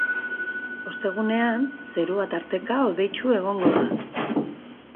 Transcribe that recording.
Ostegunean, zerua tarteka hodeitsu egongo da.